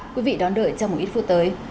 quý vị đón đợi trong một ít phút tới